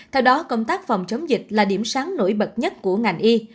theo đó công tác phòng chống dịch là điểm sáng nổi bật nhất của ngành y